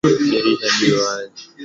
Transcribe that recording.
Dirisha liko wazi